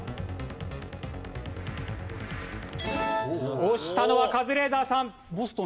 押したのはカズレーザーさん。